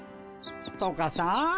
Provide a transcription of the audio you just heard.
とかさ。